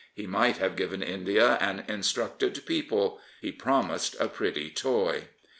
He might have given India an instructed people: he promised it a pretty toy.